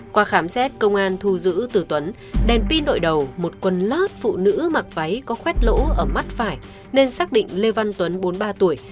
qua khám xét công an thu giữ từ tuấn đèn pin đội đầu một quân lót phụ nữ mặc váy có khoét lỗ ở mắt phải nên xác định lê văn tuấn bốn mươi ba tuổi